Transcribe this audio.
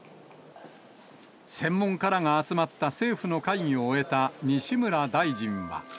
専門家らが集まった政府の会議を終えた西村大臣は。